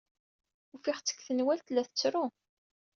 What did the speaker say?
Ufiɣ-tt deg tenwalt la tettru.